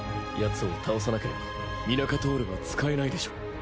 ヤツを倒さなければミナカトールは使えないでしょう。